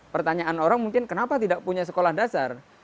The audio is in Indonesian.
pertanyaan orang mungkin kenapa tidak punya sekolah dasar